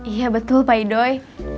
iya betul pak idoi